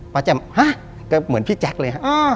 แจ่มฮะก็เหมือนพี่แจ๊คเลยฮะ